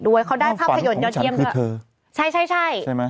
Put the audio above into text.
เป็นการกระตุ้นการไหลเวียนของเลือด